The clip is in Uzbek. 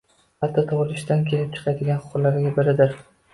xato - tug'ilishdan kelib chiqadigan huquqlardan biridir